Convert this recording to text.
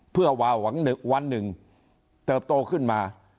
เพื่อวาหวังวันหนึ่งเติบโตขึ้นมา